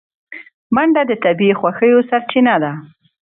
منډه د طبیعي خوښیو سرچینه ده